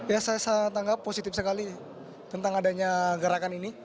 ya saya tanggap positif sekali tentang adanya gerakan ini